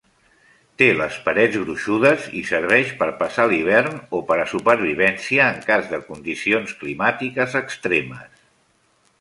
Té les parets gruixudes i serveix per passar l'hivern o per a supervivència en cas de condicions climàtiques extremes.